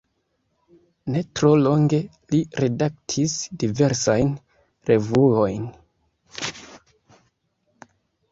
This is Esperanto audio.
Ne tro longe li redaktis diversajn revuojn.